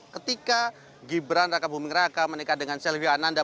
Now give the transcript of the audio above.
ketika gibran raka buming raka menikah dengan selvie ananda